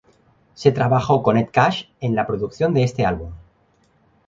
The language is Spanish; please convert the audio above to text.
Se trabajó con Ed Cash en la producción de este álbum.